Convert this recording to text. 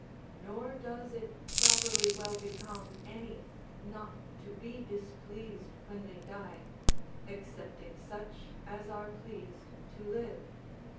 Nor does it properly well become any not to be displeased when they die, excepting such as are pleased to live.